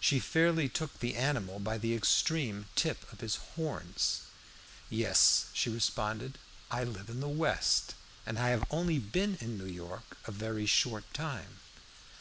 She fairly took the animal by the extreme tip of his horns. "Yes," she responded, "I live in the West, and I have only been in New York a very short time.